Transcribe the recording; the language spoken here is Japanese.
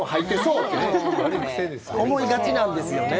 思いがちなんですよね。